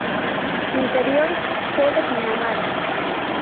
Interior: Sede Pinamar.